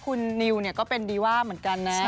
คุณนิวเนี่ยก็เป็นดีว่าเหมือนกันนะ